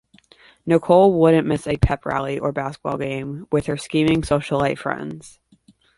Nicole wouldn't miss a pep rally or basketball game with her scheming socialite friends.